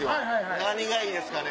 何がいいですかね？